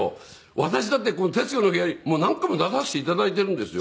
私だって『徹子の部屋』に何回も出させて頂いているんですよ。